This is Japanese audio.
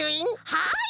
はい！